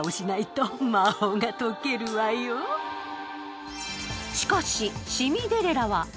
でもしかし、シミデレラは。